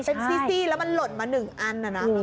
เป็นซี่แล้วมันหล่นมา๑อันนะ